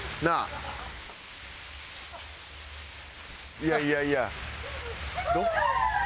いやいやいや。